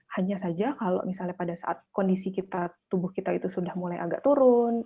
hanya saja kalau misalnya pada saat kondisi kita tubuh kita itu sudah mulai agak turun